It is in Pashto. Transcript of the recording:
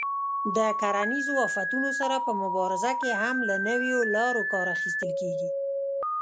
د کرنیزو آفتونو سره په مبارزه کې هم له نویو لارو کار اخیستل کېږي.